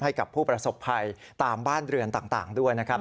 ให้กับผู้ประสบภัยตามบ้านเรือนต่างด้วยนะครับ